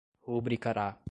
rubricará